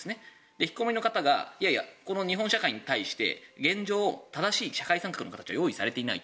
引きこもりの方がいやいや、この日本社会において現状、正しい社会参画の形が用意されていないと。